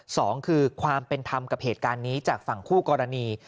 สองคือความเป็นธรรมกับเหตุการณ์นี้จากฝั่งคู่กรณี